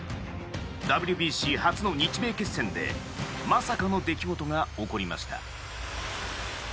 ＷＢＣ初の日米決戦でまさかの出来事が起こりました。